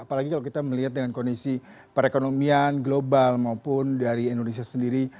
apalagi kalau kita melihat dengan kondisi perekonomian global maupun dari indonesia sendiri